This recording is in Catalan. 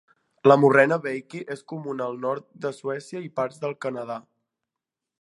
La morrena veiki és comuna al nord de Suècia i parts del Canadà.